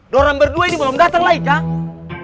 dora berdua ini belum datang lagi kan